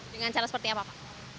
dengan cara seperti apa pak